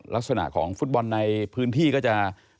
ลักษณะของฟุตบอลในพื้นที่ก็จะ